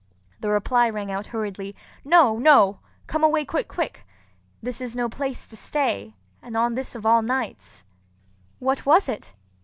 The reply rang out hurriedly, "No! no! Come away quick quick! This is no place to stay, and on this of all nights!" "What was it?"